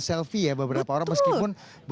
selfie ya beberapa orang meskipun